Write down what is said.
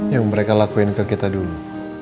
yang mereka lakuin ke kita dulu